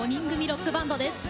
ロックバンドです。